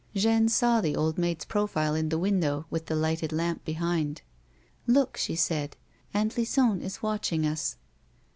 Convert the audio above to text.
Jeanne saw the old maid's profile in the window, with the lighted lamp behind ;" Look," she said ;" Aunt Lison is watching us."